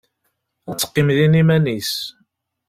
Ad teqqim din iman-is.